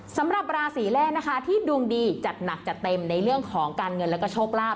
สำหรับราศีแรกนะคะที่ดวงดีจัดหนักจัดเต็มในเรื่องของการเงินแล้วก็โชคลาภ